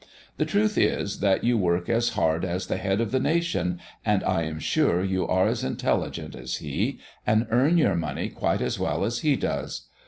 The truth is that you work as hard as the head of the nation, and I am sure you are as intelligent as he, and earn your money quite as well as he does.